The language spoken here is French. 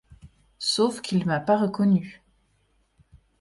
Sauf qu'il m'a pas reconnu.